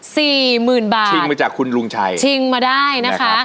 สี่หมื่นบาทชิงมาจากคุณลุงชัยชิงมาได้นะคะ